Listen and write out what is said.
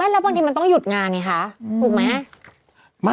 แล้วบางทีมันต้องหยุดงานไงคะถูกไหม